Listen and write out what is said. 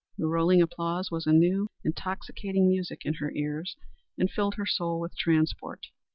The rolling applause was a new, intoxicating music in her ears, and filled her soul with transport.